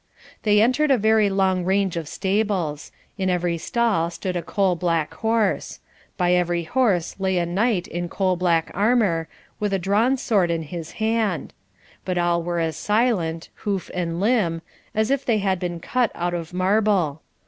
They entered a very long range of stables; in every stall stood a coal black horse; by every horse lay a knight in coal black armour, with a drawn sword in his hand; but all were as silent, hoof and limb, as if they had been cut out of marble.